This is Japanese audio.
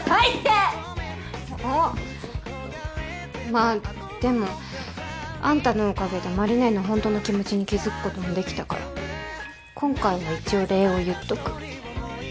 まあでもあんたのおかげで麻里姉のホントの気持ちに気付くこともできたから今回は一応礼を言っとく。